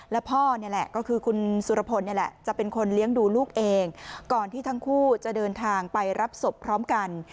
แล้วพ่อนี่แหละก็คือคุณสุรพลนี่แหละจะเป็นคนเลี้ยงดูลูกเองก่อนที่ทั้งคู่จะเดินทางไปรับศพพร้อมกัน